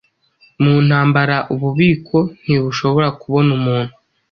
mu ntambara ububiko ntibushobora kubona umuntu